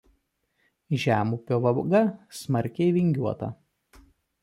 Žemupio vaga smarkiai vingiuota.